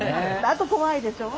あと怖いでしょう？